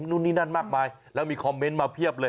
นู่นนี่นั่นมากมายแล้วมีคอมเมนต์มาเพียบเลย